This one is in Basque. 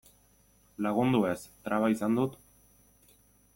Lagundu ez, traba izan dut?